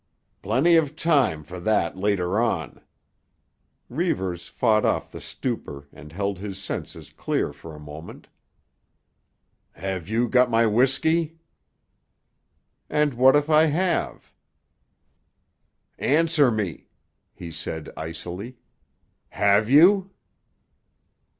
"Plenty of time for that later on." Reivers fought off the stupor and held his senses clear for a moment. "Have you got my whisky?" "And what if I have?" "Answer me!" he said icily. "Have you?"